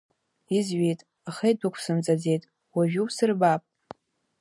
Изҩит, аха идәықәсымҵаӡеит, уажәы иусырбап…